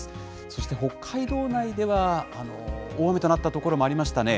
そして、北海道内では大雨となった所もありましたね。